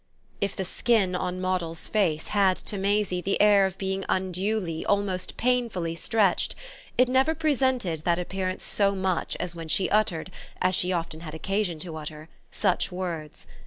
If the skin on Moddle's face had to Maisie the air of being unduly, almost painfully, stretched, it never presented that appearance so much as when she uttered, as she often had occasion to utter, such words.